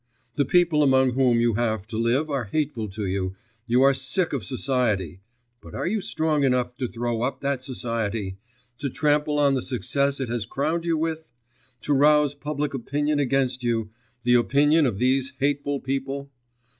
The people among whom you have to live are hateful to you, you are sick of society, but are you strong enough to throw up that society? to trample on the success it has crowned you with? to rouse public opinion against you the opinion of these hateful people?